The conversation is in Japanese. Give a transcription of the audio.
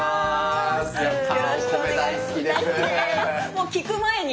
もう聞く前に。